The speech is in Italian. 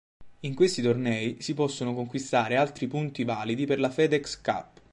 In questi tornei si possono conquistare altri punti validi per la FedEx Cup.